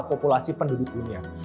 populasi penduduk dunia